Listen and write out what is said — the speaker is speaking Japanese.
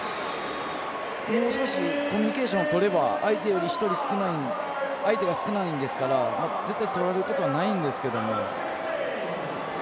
もう少しコミュニケーションをとれば相手が１人少ないんですから絶対取られることはないんですけど。